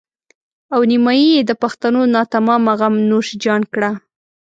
او نيمایي د پښتنو ناتمامه غم نوش جان کړه.